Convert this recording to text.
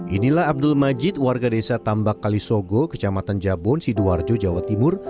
inilah abdul majid warga desa tambak kalisogo kecamatan jabon sidoarjo jawa timur